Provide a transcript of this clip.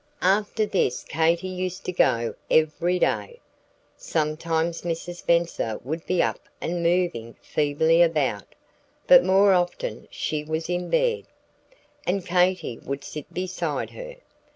After this Katy used to go every day. Sometimes Mrs. Spenser would be up and moving feebly about; but more often she was in bed, and Katy would sit beside her.